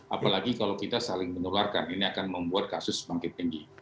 apalagi kalau kita saling menularkan ini akan membuat kasus semakin tinggi